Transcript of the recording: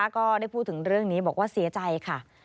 ก็ได้พูดถึงเรื่องนี้บอกว่าเสียใจค่ะ